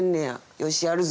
「よしやるぞ！」